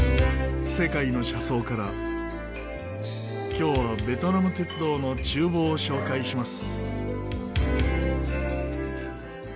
今日はベトナム鉄道の厨房を紹介します。